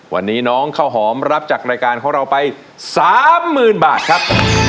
วันนี้น้องข้าวหอมรับจากรายการของเราไป๓๐๐๐บาทครับ